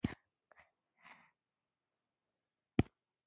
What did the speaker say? د پرنسېپ معنا ده برابرو ترمنځ لومړی